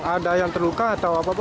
ada yang terluka atau apa pak